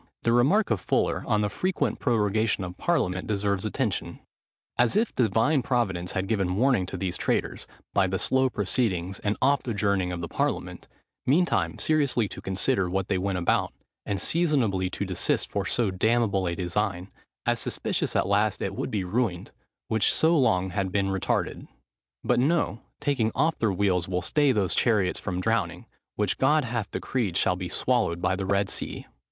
The remark of Fuller on the frequent prorogation of parliament deserves attention: "As if Divine providence had given warning to these traitors (by the slow proceedings, and oft adjourning of the parliament), mean time seriously to consider, what they went about, and seasonably to desist from so damnable a design, as suspicious at last it would be ruined, which so long had been retarded. But, no taking off their wheels will stay those chariots from drowning, which God hath decreed shall be swallowed in the Red Sea." [Footnote 10: Book x. 35.